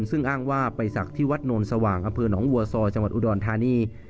ซึ่งอ้างว่าไปศักดิ์ที่วัดโนนสว่างอำเภอหนองบัวซอจังหวัดอุดรธานี